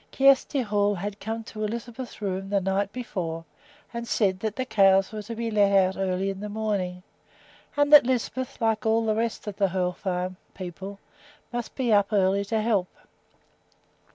Kjersti Hoel had come to Lisbeth's room the night before and said that the cows were to be let out early in the morning, and that Lisbeth, like all the rest of the Hoel Farm people, must be up early to help.